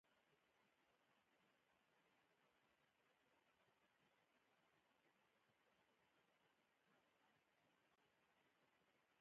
د خوست په نادر شاه کوټ کې کرومایټ شته.